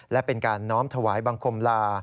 และเป็นการน้อมถวายบังคมลา